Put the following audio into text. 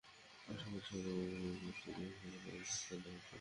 আশা করছি, সামনের বছরগুলোতে কলেজটি দেশের সেরা কলেজের স্থান দখল করবে।